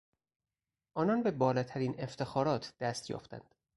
آنان به بالاترین افتخارات دست یافتند.